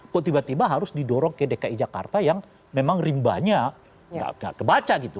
kok tiba tiba harus didorong ke dki jakarta yang memang rimbanya nggak kebaca gitu